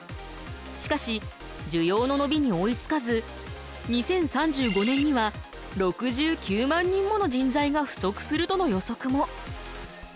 しかし需要ののびに追いつかず２０３５年には６９万人もの人材が不足するとの予測も。